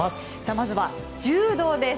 まずは柔道です。